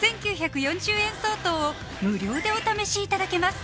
５９４０円相当を無料でお試しいただけます